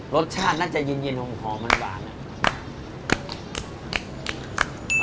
รสชาติน่าจะเย็นหอมหวานอ่ะ